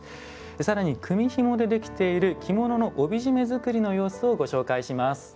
更に組みひもで出来ている着物の帯締め作りの様子をご紹介します。